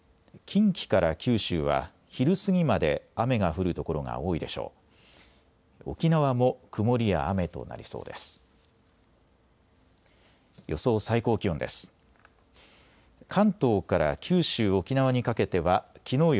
近畿から九州は昼過ぎまで雨が降るところが多いでしょう。